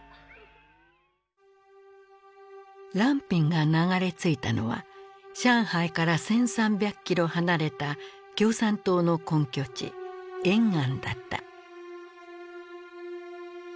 藍蘋が流れ着いたのは上海から１，３００キロ離れた共産党の根拠地延安だった。